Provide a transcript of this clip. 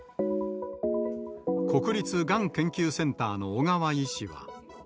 国立がん研究センターの小川医師は。